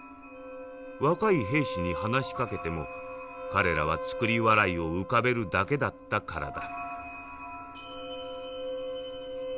若い兵士に話しかけても彼らは作り笑いを浮かべるだけだったからだ」。